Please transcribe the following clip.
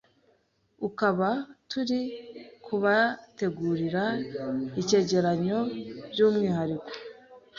ukaba turi kubategurira icyegeranyo by’umwihariko